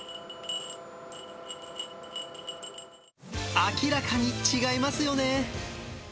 明らかに違いますよね。